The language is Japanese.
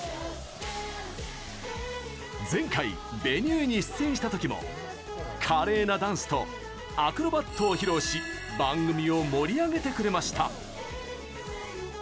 前回「Ｖｅｎｕｅ」に出演したときも華麗なダンスとアクロバットを披露し番組を盛り上げてくれました。